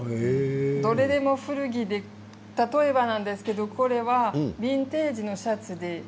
どれでも古着で例えばなんですけどこれはビンテージのシャツです。